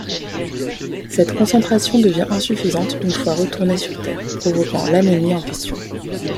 Cette concentration devient insuffisante une fois retourné sur terre, provoquant l'anémie en question.